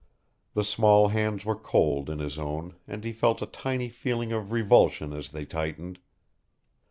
The small hands were cold in his own and he felt a tiny feeling of revulsion as they tightened.